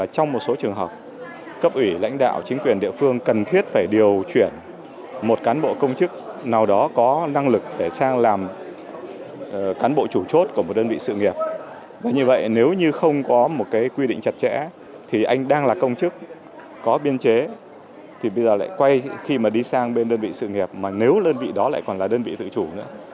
có biên chế thì bây giờ lại quay khi mà đi sang bên đơn vị sự nghiệp mà nếu đơn vị đó lại còn là đơn vị tự chủ nữa